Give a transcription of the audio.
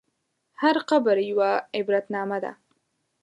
هر قبر یوه عبرتنامه ده.